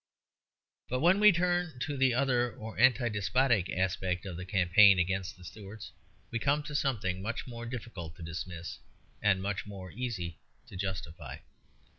But when we turn to the other or anti despotic aspect of the campaign against the Stuarts, we come to something much more difficult to dismiss and much more easy to justify.